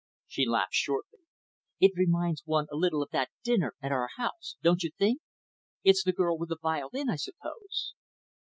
She laughed shortly. "It reminds one a little of that dinner at our house. Don't you think? It's the girl with the violin, I suppose."